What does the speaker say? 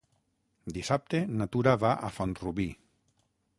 Dissabte na Tura va a Font-rubí.